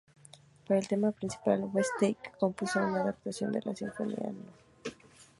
Para el tema principal Westlake compuso una adaptación de la Sinfonía No.